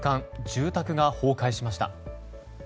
住宅が崩壊しました。